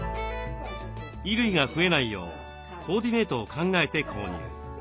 衣類が増えないようコーディネートを考えて購入。